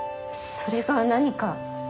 それが何か？